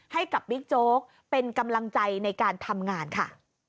ให้กับบิ๊กโจ๊กเป็นกำลังใจในการทำงานค่ะ